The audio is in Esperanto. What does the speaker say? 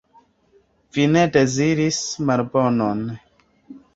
Vi ne deziris malbonon.